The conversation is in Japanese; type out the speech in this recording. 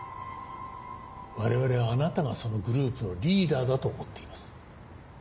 我々はあなたがそのグループのリーダーだと思っています。